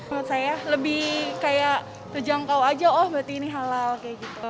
menurut saya lebih kayak terjangkau aja oh berarti ini halal kayak gitu